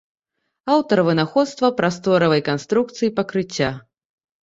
Аўтар вынаходства прасторавай канструкцыі пакрыцця.